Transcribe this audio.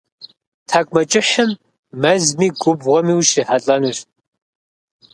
Тхьэкӏумэкӏыхьым мэзми губгъуэми ущрихьэлӏэнущ.